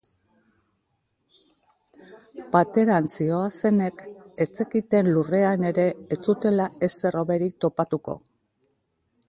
Pateran zihoazenek ez zekiten lurrean ere ez zutela ezer hoberik topatuko.